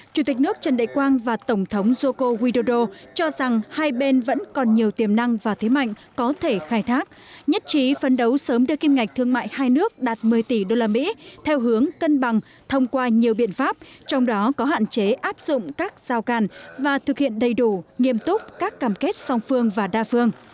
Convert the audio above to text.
chủ tịch nước trần đại quang và tổng thống joko widodo cho rằng hai bên vẫn còn nhiều tiềm năng và thế mạnh có thể khai thác nhất trí phân đấu sớm đưa kim ngạch thương mại hai nước đạt một mươi tỷ usd theo hướng cân bằng thông qua nhiều biện pháp trong đó có hạn chế áp dụng các giao càn và thực hiện đầy đủ nghiêm túc các cảm kết song phương và đa phương